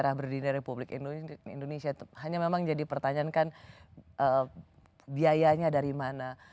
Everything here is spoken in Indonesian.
sejarah berdirinya republik indonesia hanya memang jadi pertanyaan kan biayanya dari mana